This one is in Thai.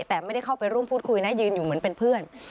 แต่ไม่ได้เข้าไปร่วมพูดคุยนะยืนอยู่เหมือนเป็นเพื่อน